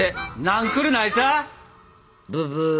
ブブー。